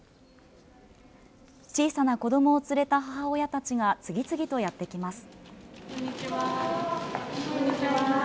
小さな子どもを連れた母親たちが次々とやって来ます。